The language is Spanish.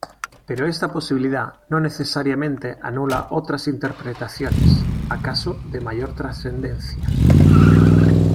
Pero esta posibilidad no necesariamente anula otras interpretaciones, acaso de mayor trascendencia.